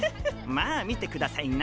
まあみてくださいな。